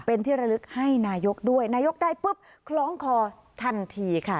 เป็นที่ระลึกให้นายกด้วยนายกได้ปุ๊บคล้องคอทันทีค่ะ